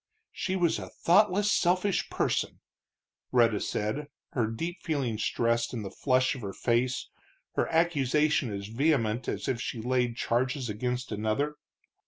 "She was a thoughtless, selfish person!" Rhetta said, her deep feeling stressed in the flush of her face, her accusation as vehement as if she laid charges against another.